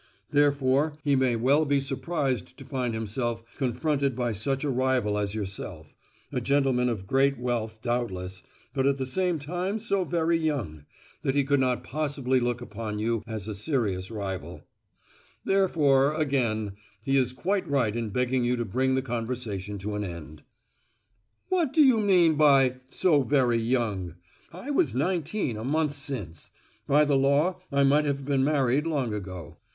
Therefore he may well be surprised to find himself confronted by such a rival as yourself—a gentleman of great wealth, doubtless, but at the same time so very young, that he could not possibly look upon you as a serious rival; therefore, again, he is quite right in begging you to bring the conversation to an end." "What do you mean by 'so very young'? I was nineteen a month since; by the law I might have been married long ago.